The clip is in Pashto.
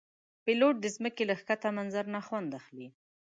پیلوټ د ځمکې له ښکته منظر نه خوند اخلي.